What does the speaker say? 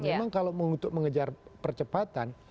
memang kalau untuk mengejar percepatan